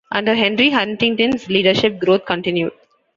Under Henry Huntington's leadership, growth continued.